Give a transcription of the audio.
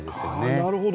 なるほど。